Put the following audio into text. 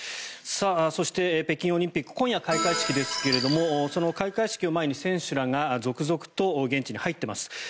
そして北京オリンピック今夜、開会式ですけどもその開会式を前に選手らが続々と現地に入っています。